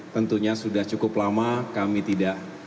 tentunya sudah cukup lama kami tidak